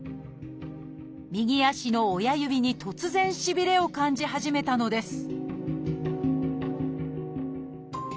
右足の親指に突然しびれを感じ始めたのです